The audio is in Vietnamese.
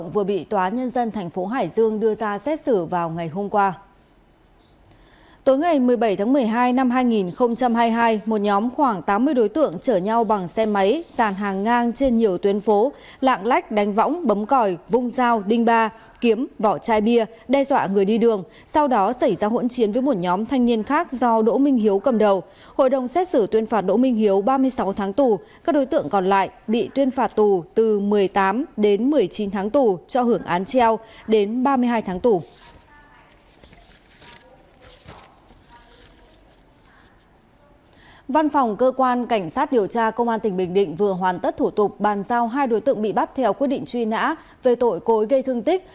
văn phòng cơ quan cảnh sát điều tra công an tỉnh bình định vừa hoàn tất thủ tục bàn giao hai đối tượng bị bắt theo quyết định truy nã về tội cối gây thương tích